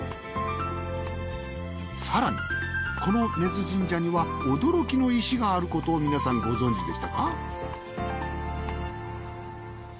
更にこの根津神社には驚きの石があることを皆さんご存じでしたか？